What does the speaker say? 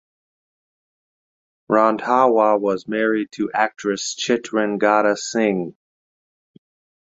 Randhawa was married to actress Chitrangada Singh.